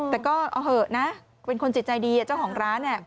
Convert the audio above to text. แต่ก็เอาเหอะนะเป็นคนจิตใจดีเจ้าของร้าน